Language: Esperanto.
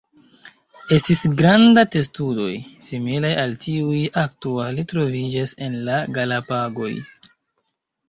Estis granda testudoj, similaj al tiuj aktuale troviĝas en la Galapagoj.